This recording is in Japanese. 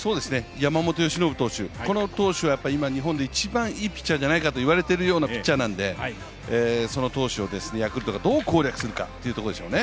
山本由伸投手は今日本で一番いいピッチャーじゃないかと言われているピッチャーなので、その投手をヤクルトがどう攻略するかというところでしょうね。